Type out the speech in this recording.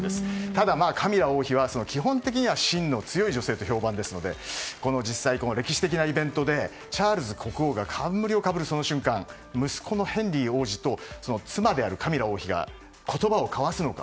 ただ、カミラ王妃は基本的には芯の強い女性と評判ですので歴史的なイベントでチャールズ国王が冠をかぶる瞬間息子のヘンリー王子と妻であるカミラ王妃が言葉を交わすのか。